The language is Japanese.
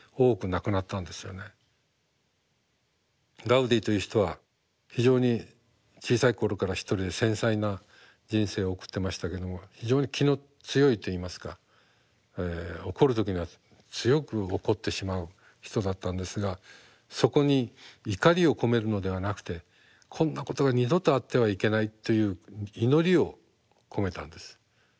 ガウディという人は非常に小さい頃から一人で繊細な人生を送ってましたけども非常に気の強いといいますか怒る時には強く怒ってしまう人だったんですがそこに怒りを込めるのではなくてこんなことが二度とあってはいけないという祈りを込めたんです。